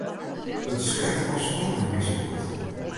It is krekt as wol it net mear sa goed.